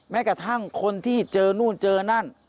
แม้กระทั่งคนที่เจอนู่นเจอนั่น